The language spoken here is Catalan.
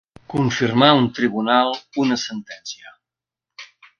Confirmar un tribunal una sentència.